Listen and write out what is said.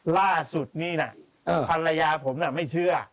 ล่าสุดนี่นะภรรยาผมน่ะไม่เชื่อ